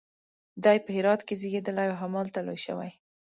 دی په هرات کې زیږېدلی او همالته لوی شوی.